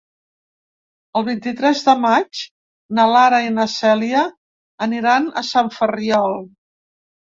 El vint-i-tres de maig na Lara i na Cèlia aniran a Sant Ferriol.